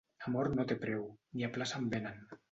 Amor no té preu, ni a plaça en venen.